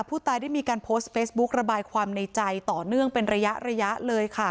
ผู้ตายได้มีการโพสต์เฟซบุ๊กระบายความในใจต่อเนื่องเป็นระยะระยะเลยค่ะ